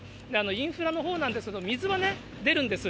インフラのほうなんですけど、水は出るんです。